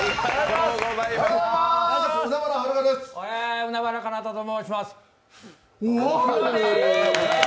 海原かなたと申します。